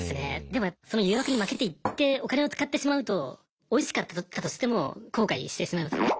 でもその誘惑に負けて行ってお金を使ってしまうとおいしかったとしても後悔してしまいますよね。